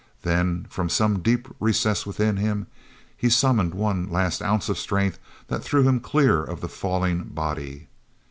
Then, from some deep recess within him, he summoned one last ounce of strength that threw him clear of the falling body.